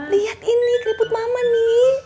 lihat ini keriput maman nih